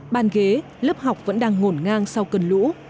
ban ghế lớp học vẫn đang ngổn ngang sau cân lũ